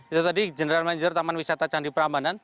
itu tadi general manager taman wisata candi prambanan